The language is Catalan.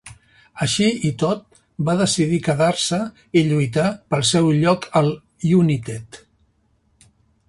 Així i tot, va decidir quedar-se i lluitar pel seu lloc al United.